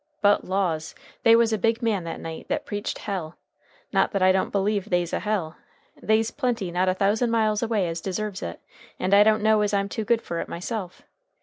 But laws! they was a big man that night that preached hell. Not that I don't believe they's a hell. They's plenty not a thousand miles away as deserves it, and I don't know as I'm too good for it myself.